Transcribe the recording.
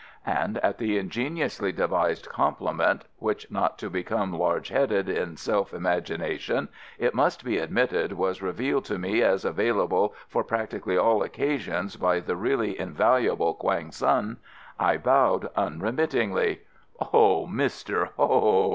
And at the ingeniously devised compliment (which, not to become large headed in self imagination, it must be admitted was revealed to me as available for practically all occasions by the really invaluable Quang Tsun), I bowed unremittingly. "O, Mr. Ho!"